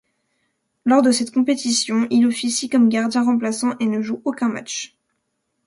Lors de cette compétition, il officie comme gardien remplaçant et ne joue aucun match.